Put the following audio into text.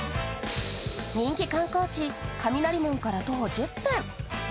人気観光地・雷門から徒歩１０分。